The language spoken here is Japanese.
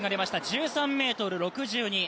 １３ｍ６２。